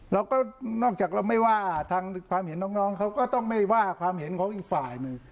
เราก็นอกจากเราไม่ว่าทางความเห็นน้องเขาก็ต้องไม่ว่าความเห็นของอีกฝ่ายหนึ่ง